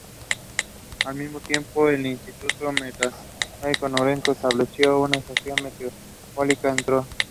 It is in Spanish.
Al mismo tiempo, el Instituto Meteorológico Noruego estableció una estación meteorológica en Troll.